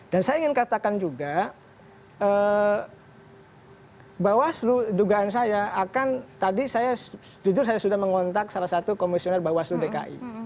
dan saya ingin katakan juga bawaslu dugaan saya akan tadi saya jujur saya sudah mengontak salah satu komisioner bawaslu dki